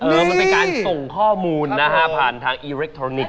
มันเป็นการส่งข้อมูลนะฮะผ่านทางอิเล็กทรอนิกส